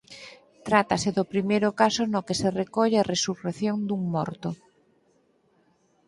Trátase do primeiro caso no que se recolle a resurrección dun morto.